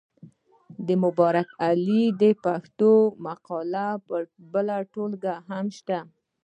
د مبارک علي د پښتو مقالو بله ټولګه هم شته.